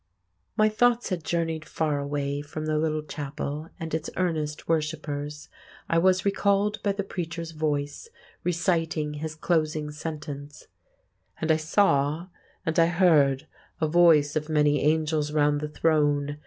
My thoughts had journeyed far away from the little chapel and its earnest worshippers. I was recalled by the preacher's voice reciting his closing sentence— "And I saw, and I heard a voice of many angels round the throne